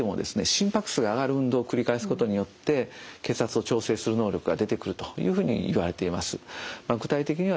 心拍数が上がる運動を繰り返すことによって血圧を調整する能力が出てくるというふうにいわれています。